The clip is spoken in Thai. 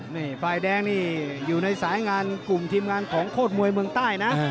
นี่ฝ่ายแดงนี่อยู่ในสายงานกลุ่มทีมงานของโคตรมวยเมืองใต้นะ